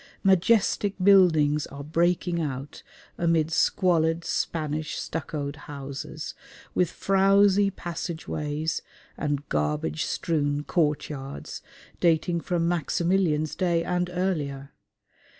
Majestic buildings are breaking out amid squalid Spanish stuccoed houses, with frowsy passage ways and garbage strewn courtyards, dating from Maximilian's day and earlier.